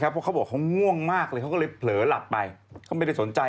กลัวว่าผมจะต้องไปพูดให้ปากคำกับตำรวจยังไง